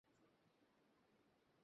দরকার নেই, মাস্টার।